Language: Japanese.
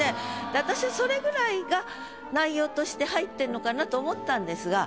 私はそれぐらいが内容として入ってるのかなと思ったんですが。